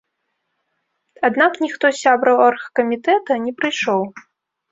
Аднак ніхто з сябраў аргкамітэта не прыйшоў.